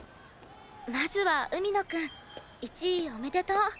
まずは海野くん１位おめでとう。